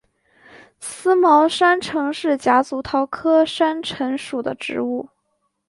思茅山橙是夹竹桃科山橙属的植物。